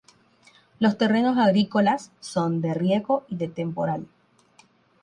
Los terrenos agrícolas son de riego y de temporal.